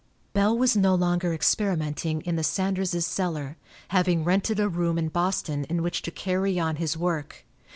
Bell was no longer experimenting in the Sanderses' cellar, having rented a room in Boston in which to carry on his work.